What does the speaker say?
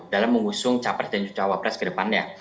dalam mengusung capres dan jucawa pres ke depannya